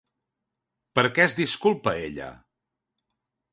Per què es disculpa ella?